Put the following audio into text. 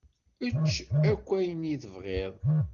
Ečč akk ayen i tebɣiḍ.